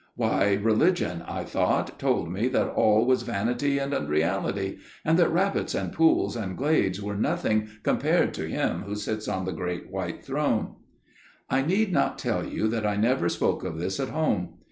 Why religion, I thought, told me that all was vanity and unreality, and that rabbits and pools and glades were nothing compared to Him who sits on the great white throne. "I need not tell you that I never spoke of this at home.